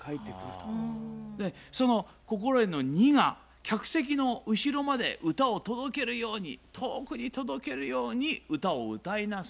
その心得の２が客席の後ろまで歌を届けるように遠くに届けるように歌を歌いなさいということです。